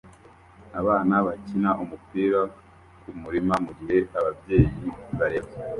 Abana bakina umupira kumurima mugihe ababyeyi bareba